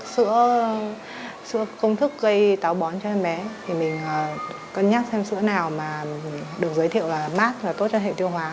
sữa công thức gây táo bón cho em bé thì mình cân nhắc xem sữa nào mà được giới thiệu là mát và tốt cho hệ tiêu hóa